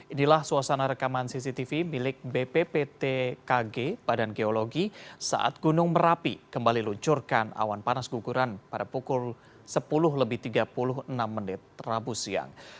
inilah suasana rekaman cctv milik bpptkg badan geologi saat gunung merapi kembali luncurkan awan panas guguran pada pukul sepuluh lebih tiga puluh enam menit rabu siang